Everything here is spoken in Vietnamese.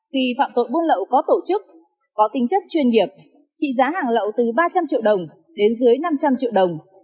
thì phạm tội buôn lậu có tổ chức có tính chất chuyên nghiệp trị giá hàng lậu từ ba trăm linh triệu đồng đến dưới năm trăm linh triệu đồng